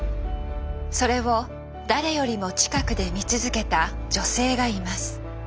それを誰よりも近くで見続けた女性がいます。